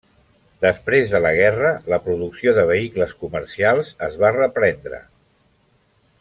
Després de la guerra, la producció de vehicles comercials es va reprendre.